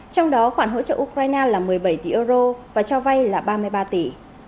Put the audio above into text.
trong đó khoản hỗ trợ ukraine là một mươi bảy tỷ euro và cho vay là ba mươi ba tỷ